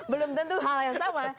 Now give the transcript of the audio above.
belum tentu hal yang sama